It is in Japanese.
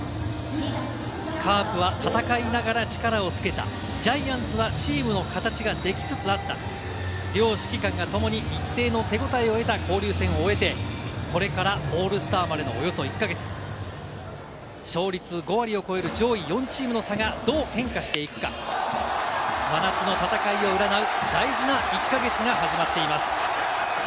カープは戦いながら力をつけたジャイアンツは、チームの形ができつつあった、両指揮官がともに一定の手応えを得た交流戦を終えて、これからオールスターまでのおよそ１か月、勝率５割を超える上位４チームの差がどう変化していくか、真夏の戦いを占う大事な１か月が始まっています。